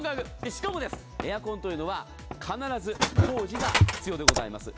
しかもエアコンは必ず工事が必要でございます。